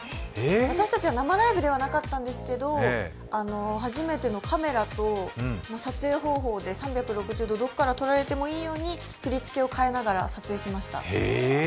私たちは生ライブではなかったんですけど初めてのカメラと撮影方法で３６０度どこから撮られてもいいように振り付けを変えながら撮影しました。